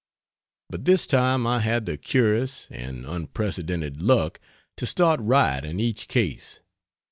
But this time I had the curious (and unprecedented) luck to start right in each case.